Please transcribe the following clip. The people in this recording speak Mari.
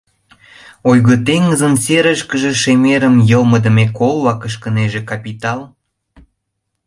Ойго теҥызын серышке шемерым йылмыдыме колла кышкынеже капитал?